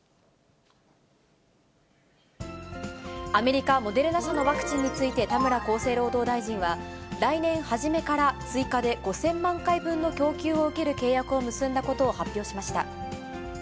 アメリカ、モデルナ社のワクチンについて、田村厚生労働大臣は来年初めから追加で５０００万回分の供給を受ける契約を結んだことを発表しました。